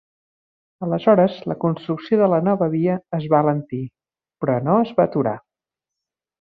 Aleshores la construcció de la nova via es va alentir, però no es va aturar.